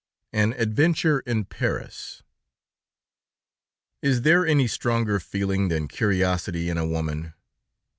AN ADVENTURE IN PARIS Is there any stronger feeling than curiosity in a woman?